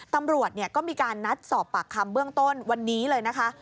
ตำรวจก็มีการนัดสอบปากคำเบื้องต้นวันนี้เลยนะคะ